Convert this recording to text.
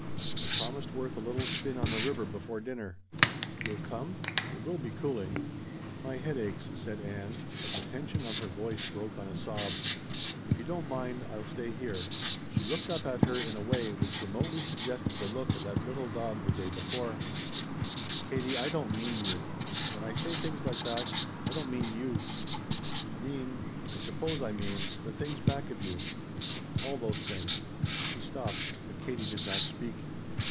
I promised Worth a little spin on the river before dinner. You'll come? It will be cooling." "My head aches," said Ann, but the tension of her voice broke on a sob. "If you don't mind I'll stay here." She looked up at her in a way which remotely suggested the look of that little dog the day before, "Katie, I don't mean you. When I say things like that I don't mean you. I mean I suppose I mean the things back of you. All those things " She stopped, but Katie did not speak.